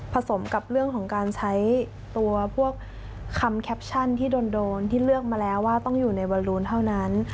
สมกับเรื่องของการใช้ตัวพวกคำแคปชั่นที่โดนที่เลือกมาแล้วว่าต้องอยู่ในวอลูนเท่านั้น